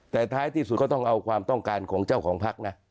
แต่ท้ายที่สุดก็ต้องเอาความต้องการของเจ้าของพักนะ